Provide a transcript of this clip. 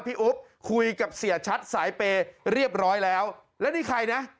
อุ๊บคุยกับเสียชัดสายเปย์เรียบร้อยแล้วแล้วนี่ใครนะ